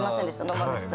野間口さん。